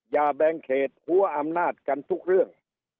อย่าแบงเกจหัวอำนาจกันทุกเรื่อง